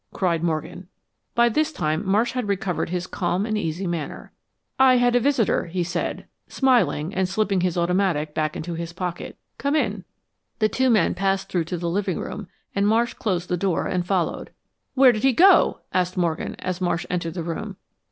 cried Morgan. By this time Marsh had recovered his calm and easy manner. "I had a visitor," he said, smiling, and slipping his automatic back into his pocket. "Come in." The two men passed through to the living room and Marsh closed the door and followed. "Where did he go?" asked Morgan, as Marsh entered the room.